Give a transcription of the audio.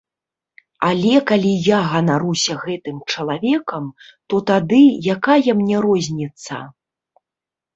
Але калі я ганаруся гэтым чалавекам, то тады, якая мне розніца?